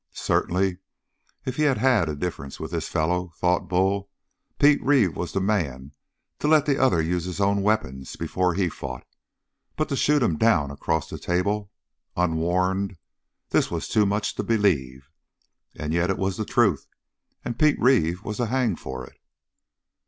Certainly, if he had had a difference with this fellow, thought Bull, Pete Reeve was the man to let the other use his own weapons before he fought. But to shoot him down across a table, unwarned this was too much to believe! And yet it was the truth, and Pete Reeve was to hang for it.